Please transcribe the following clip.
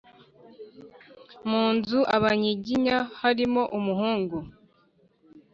mu nzu y Abanyiginya harimo umuhungu